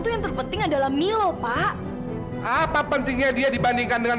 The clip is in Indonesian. dan programmers melrellah contacts feriway milo menggunakan dan menggunakan